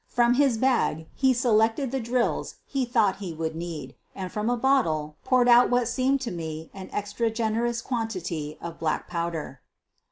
From his bag he selected the drills he thought he would need and from a bottle poured out what seemed to me an extra generous quantity of black powder.